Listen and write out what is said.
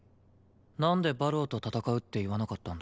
なんで馬狼と戦うって言わなかったんだ？